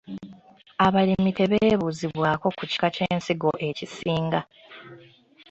Abalimi tebeebuuzibwako ku kika ky'ensigo ekisinga.